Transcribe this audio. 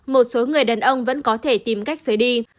một số người đàn ông vẫn có thể tìm cách rời đi